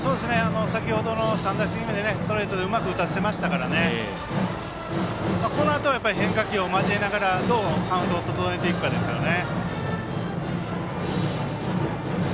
先ほどの３打席目でストレートをうまく打たせてましたからこのあと変化球を交えながらどうカウントを整えていくかですね。